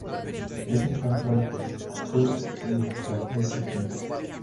Es un cantante, actor y ex-atleta chino.